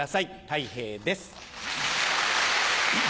たい平です。